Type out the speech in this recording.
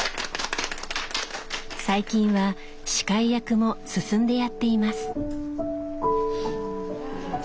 最近は司会役も進んでやっています。